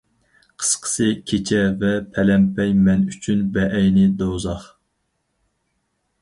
قىسقىسى، كېچە ۋە پەلەمپەي مەن ئۈچۈن بەئەينى دوزاخ.